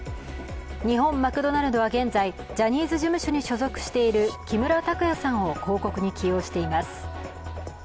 日本マクドナルドは現在、ジャニーズ事務所に所属している木村拓哉さんを広告に起用しています。